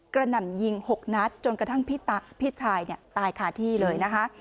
กระหน่ำยิงหกนัดจนกระทั่งพี่ชายเนี่ยตายขาดที่เลยนะคะ